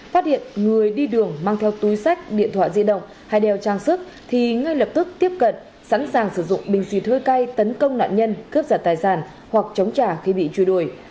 phát hiện người đi đường mang theo túi sách điện thoại di động hay đeo trang sức thì ngay lập tức tiếp cận sẵn sàng sử dụng bình xịt hơi cay tấn công nạn nhân cướp giật tài sản hoặc chống trả khi bị truy đuổi